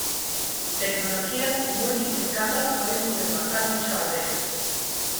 Tecnologías con múltiples capas pueden sobrepasar dicha barrera.